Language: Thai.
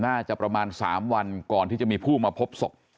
น่าจะประมาณสามวันก่อนที่จะมีผู้มาพบศพ